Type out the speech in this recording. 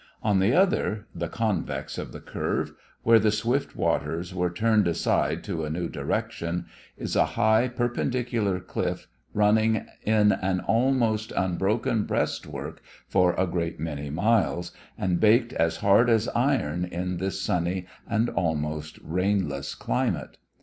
On the other the convex of the curve where the swift waters were turned aside to a new direction, is a high, perpendicular cliff running in an almost unbroken breastwork for a great many miles, and baked as hard as iron in this sunny and almost rainless climate.